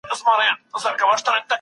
ځوانان زموږ بازوګان دي.